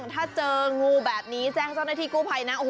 ถ้าเจองูแบบนี้แจ้งเจ้าหน้าที่กู้ภัยนะ